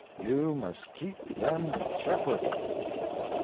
You must keep them separate."